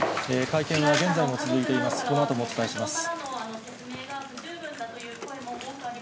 会見は現在も続いています。